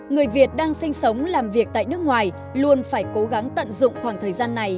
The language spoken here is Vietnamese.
người việt đang sinh sống làm việc tại nước ngoài luôn phải cố gắng tận dụng khoảng thời gian này